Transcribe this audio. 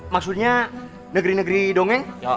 maksudnya negeri negeri dongeng